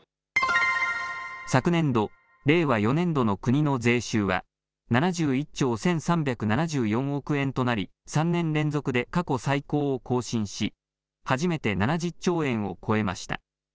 昨年度・令和４年度の国の税収は７１兆１３７４億円となり、３年連続で過去最高を更新し、初めて７０兆円を超えました。